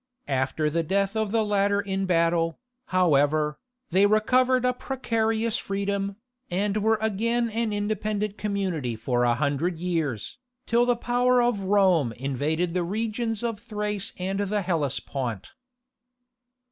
After the death of the latter in battle, however, they recovered a precarious freedom, and were again an independent community for a hundred years, till the power of Rome invaded the regions of Thrace and the Hellespont.